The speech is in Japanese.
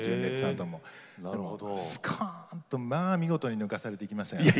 でもスコーンとまあ見事に抜かされていきましたからね。